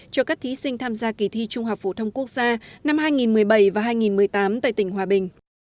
cho các thí sinh tham gia kỳ thi trung học phổ thông quốc gia năm hai nghìn một mươi bảy và hai nghìn một mươi tám tại tỉnh hòa bình